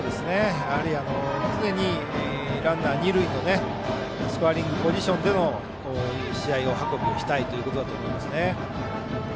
やはり、常にランナー、二塁スコアリングポジションでという試合運びをしたいということだと思います。